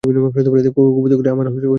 রঘুপতি কহিলেন, আমার বিলম্ব আছে।